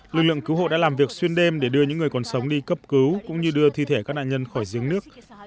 lực lượng cứu hộ đã làm việc xuyên đêm để đưa những người còn sống đi cấp cứu cũng như đưa thi thể các nạn nhân khỏi giếng nước